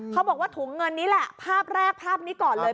เขาบอกว่าถุงเงินนี้แหละภาพแรกภาพนี้ก่อนเลย